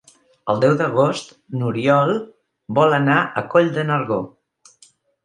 El deu d'agost n'Oriol vol anar a Coll de Nargó.